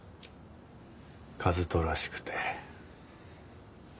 和人らしくて。